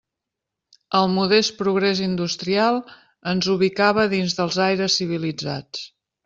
El modest progrés industrial ens ubicava dins dels aires civilitzats.